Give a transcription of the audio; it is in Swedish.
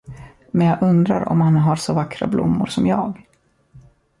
Men jag undrar om han har så vackra blommor som jag!